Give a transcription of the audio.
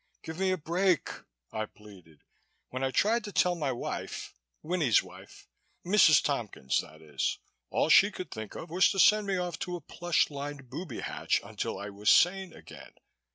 "Give me a break," I pleaded. "When I tried to tell my wife Winnie's wife Mrs. Tompkins, that is all she could think of was to send me off to a plush lined booby hatch until I was sane again.